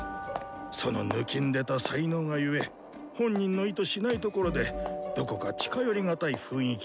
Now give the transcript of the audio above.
そのぬきんでた才能がゆえ本人の意図しないところでどこか近寄りがたい雰囲気がありました。